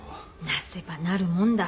なせば成るもんだ。